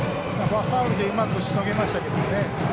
ファウルでうまくしのげましたけどね。